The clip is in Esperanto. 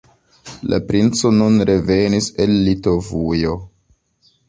La princo nun revenis el Litovujo.